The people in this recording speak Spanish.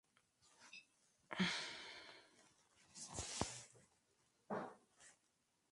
Fue un importante innovador y contribuidor en la evolución de la ópera de baladas.